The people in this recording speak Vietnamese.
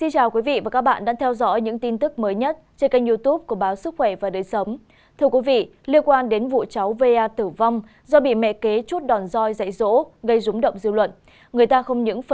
các bạn hãy đăng ký kênh để ủng hộ kênh của chúng mình nhé